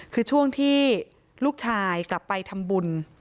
คือช่วงที่ลูกชายกลับไปทำบุญ